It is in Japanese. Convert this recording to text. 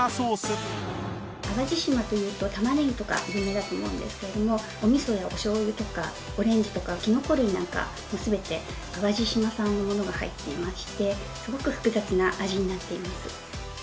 淡路島というと玉ねぎとか有名だと思うんですけれどもお味噌やお醤油とかオレンジとかきのこ類なんか全て淡路島産の物が入っていましてすごく複雑な味になっています。